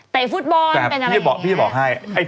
ไต่ฟุตบอลเป็นอะไรอย่างนี้